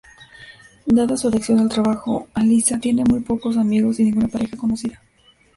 Dada su adicción al trabajo, "Alyssa" tiene muy pocos amigos, y ninguna pareja conocida.